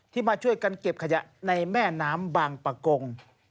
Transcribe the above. มาช่วยกันเก็บขยะในแม่น้ำบางปะกง